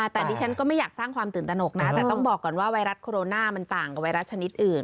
แต่ดิฉันก็ไม่อยากสร้างความตื่นตนกนะแต่ต้องบอกก่อนว่าไวรัสโคโรนามันต่างกับไวรัสชนิดอื่น